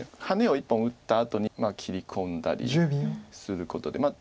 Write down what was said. ハネを１本打ったあとに切り込んだりすることで。